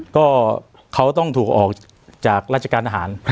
ก็เขาต้องถูกออกจากราชการทหาร